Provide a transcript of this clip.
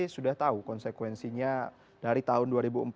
sudah tahu konsekuensinya dari tahun dua ribu empat belas